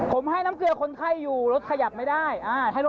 ผมให้น้ำเกลือคนไข้อยู่รถขยับไม่ได้